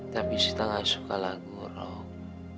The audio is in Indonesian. tapi sita gak suka lagu rock